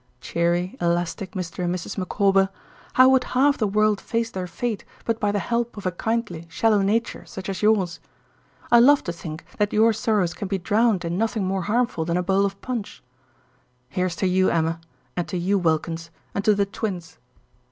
Cheery, elastic Mr. and Mrs. Micawber, how would half the world face their fate but by the help of a kindly, shallow nature such as yours? I love to think that your sorrows can be drowned in nothing more harmful than a bowl of punch. Here's to you, Emma, and to you, Wilkins, and to the twins!